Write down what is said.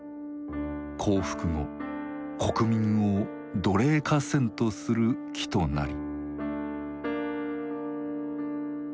「降伏後国民を奴隷化せんとする企図なり」。